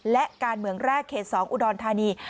และการเมืองแรกเขต๒อุดรธานี